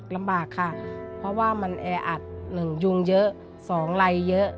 ลำบากค่ะเพราะว่ามันแออัด๑ยุงเยอะ๒ไรเยอะ